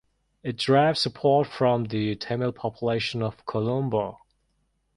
It draws support from the Tamil population of Colombo.